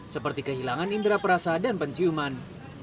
seperti kehilangan indera perasa dan penciuman